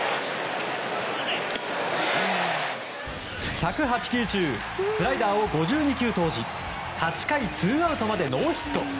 １０８球中スライダーを５２球投じ８回ツーアウトまでノーヒット。